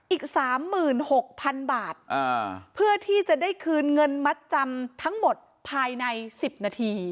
อีก๓๖๐๐๐บาทเพื่อที่จะได้คืนเงินมัดจำทั้งหมดภายใน๑๐นาที